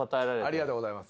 ありがとうございます。